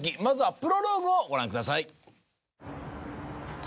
まずはプロローグをご覧ください。